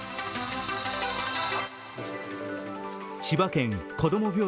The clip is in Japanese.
千葉県こども